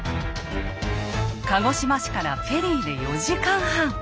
鹿児島市からフェリーで４時間半。